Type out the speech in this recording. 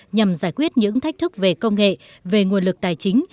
nhằm giải quyết những thách thức về công nghệ về nguồn lực tài chính